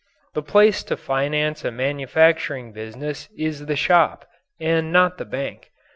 The place to finance a manufacturing business is the shop, and not the bank.